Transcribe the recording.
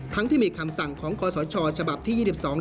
ทั้งที่มีคำสั่งของคศฉที่๒๒๒๕๕๘